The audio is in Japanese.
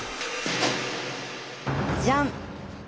じゃん！